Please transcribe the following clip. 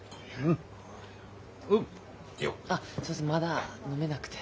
まだ飲めなくて。